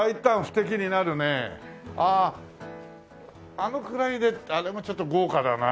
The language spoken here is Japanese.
あのくらいであれもちょっと豪華だな。